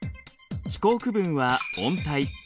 気候区分は温帯。